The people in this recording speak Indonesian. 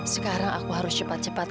sekarang aku harus cepat cepat